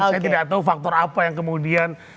saya tidak tahu faktor apa yang kemudian